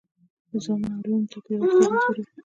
زامنو او لوڼو ته په یوه سترګه وګورئ.